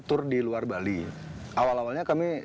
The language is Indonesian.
tur di luar bali awal awalnya kami